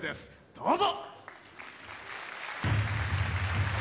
どうぞ。